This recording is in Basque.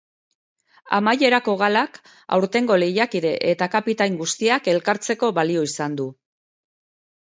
Amaierako galak aurtengo lehiakide eta kapitain guztiak elkartzeko balio izan du.